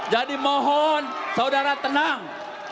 jadi mohon saudara tenang